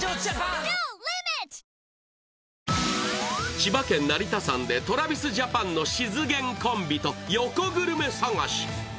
千葉県成田山でＴｒａｖｉｓＪａｐａｎのしずげんコンビと横グルメ探し。